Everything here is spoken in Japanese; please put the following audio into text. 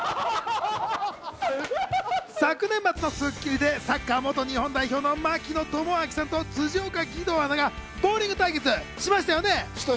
昨年末の『スッキリ』でサッカー元日本代表の槙野智章さんと辻岡義堂アナがボウリング対決をしましたよね？